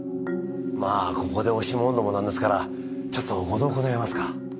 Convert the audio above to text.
まあここで押し問答もなんですからちょっとご同行願えますか？